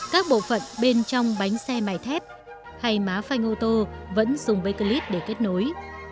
các bộ phận bên trong bánh xe mái thép hay má phanh ô tô vẫn dùng bakelite để kết nối